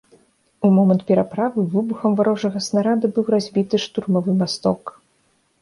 У момант пераправы выбухам варожага снарада быў разбіты штурмавы масток.